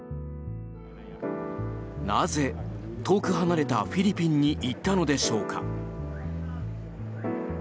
なぜ、遠く離れたフィリピンに行ったのでしょうか。